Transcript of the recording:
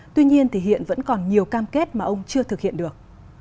tuy nhiên thì hiện vẫn còn nhiều cam kết mà ông chưa thực hiện được